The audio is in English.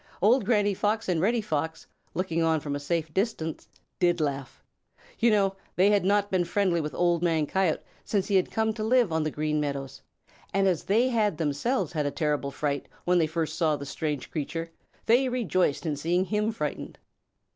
Old Granny Fox and Reddy Fox, looking on from a safe distance, did laugh. You know they had not been friendly with Old Man Coyote since he came to live on the Green Meadows, and as they had themselves had a terrible fright when they first saw the strange creature, they rejoiced in seeing him frightened.